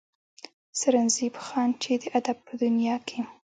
سرنزېب خان چې د ادب پۀ دنيا کښې